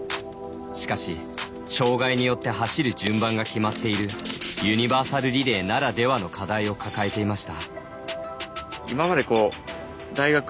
しかし障がいによって走る順番が決まっているユニバーサルリレーならではの課題を抱えていました。